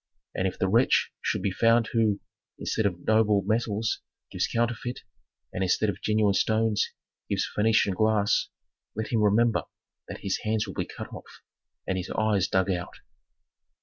And if the wretch should be found who, instead of noble metals, gives counterfeit, and instead of genuine stones, gives Phœnician glass, let him remember that his hands will be cut off and his eyes dug out."